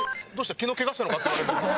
昨日ケガしたのか？」って言われる。